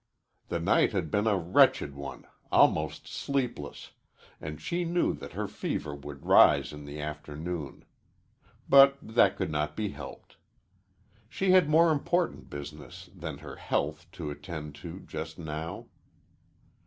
The night had been a wretched one, almost sleepless, and she knew that her fever would rise in the afternoon. But that could not be helped. She had more important business than her health to attend to just now.